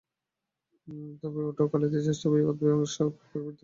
তবে ওঠ, ওকালতির চেষ্টা বা বিবাদ-বিসংবাদ প্রভৃতি অপেক্ষা বড় বড় কাজ রহিয়াছে।